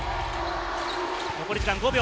残り時間５秒。